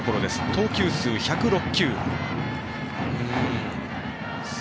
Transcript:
投球数、１０６球。